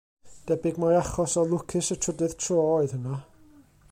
Debyg mai achos o lwcus y trydydd tro oedd hynna.